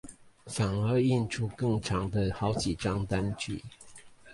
反而印出更長的好幾張單據